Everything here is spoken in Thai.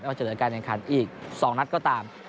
แล้วเจอแล้วการแข่งขันอีก๒นัดก็ตาม